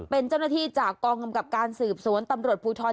เป็นเจ้าหน้าที่จากกองกำกับการสืบสวนตำรวจภูทร